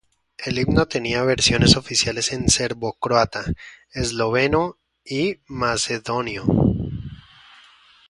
El himno tenía versiones oficiales en serbocroata, esloveno y macedonio.